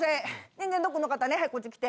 人間ドックの方ねこっち来て。